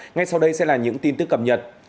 ngay sau đây sẽ là những tin tức cập nhật